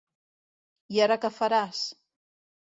I ara què faràs?